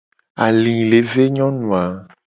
Ali le ve nyonu a.